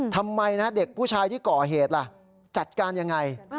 ทำไมนะเด็กผู้ชายที่ก่อเหตุล่ะจัดการยังไง